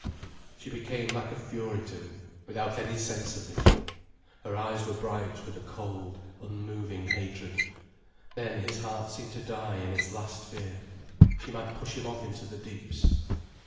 She became like a fury to him, without any sense of him. Her eyes were bright with a cold, unmoving hatred. Then his heart seemed to die in its last fear. She might push him off into the deeps.